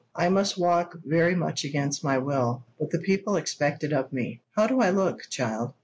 I must walk, very much against my will; but the people expect it of me. How do I look, child?"